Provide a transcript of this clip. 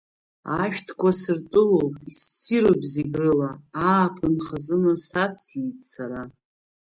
Ашәҭқәа сыртәылоуп, иссируп зегь рыла ааԥын хазына сациит сара!